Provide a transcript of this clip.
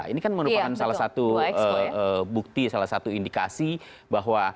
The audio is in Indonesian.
ini kan merupakan salah satu bukti salah satu indikasi bahwa